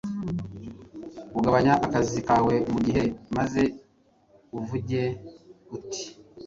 ugabanya akazi kawe mu gihe maze uvuge uti: